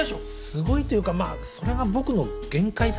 すごいというかまあそれが僕の限界だったんだよね。